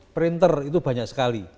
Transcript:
printer itu banyak sekali